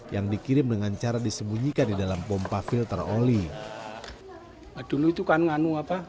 yang dikirim dengan jenis sabu yang dikirim oleh bnn